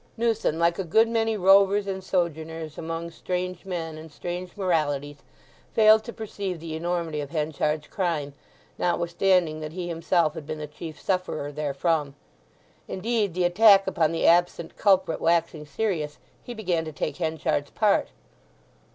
Newson, like a good many rovers and sojourners among strange men and strange moralities, failed to perceive the enormity of Henchard's crime, notwithstanding that he himself had been the chief sufferer therefrom. Indeed, the attack upon the absent culprit waxing serious, he began to take Henchard's part.